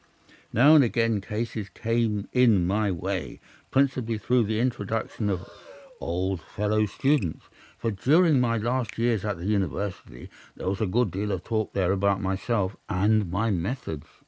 Now and again cases came in my way, principally through the introduction of old fellow students, for during my last years at the University there was a good deal of talk there about myself and my methods.